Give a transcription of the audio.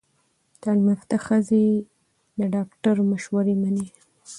تعلیم یافته ښځې د ډاکټر مشورې مني۔